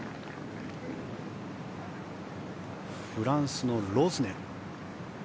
フランスのロズネル。